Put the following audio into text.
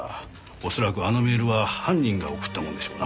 おそらくあのメールは犯人が送ったものでしょうな。